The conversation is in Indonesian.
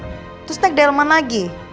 terus naik delman lagi